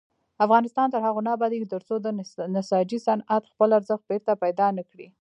افغانستان تر هغو نه ابادیږي، ترڅو د نساجي صنعت خپل ارزښت بیرته پیدا نکړي.